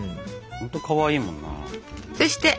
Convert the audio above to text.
ほんとかわいいもんな。